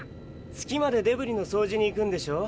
月までデブリのそうじに行くんでしょ？